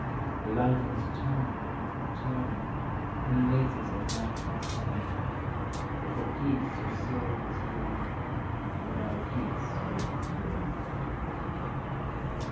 Her life was turning, turning, In mazes of light and sound, But for peace her soul was yearning And now peace wraps her round.